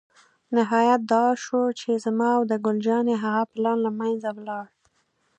نهایت دا شو چې زما او د ګل جانې هغه پلان له منځه ولاړ.